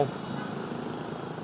tiếp tục thông tin